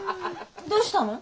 どうしたの？